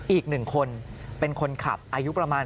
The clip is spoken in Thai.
อีกหนึ่งคนเป็นคนขับอายุประมาณ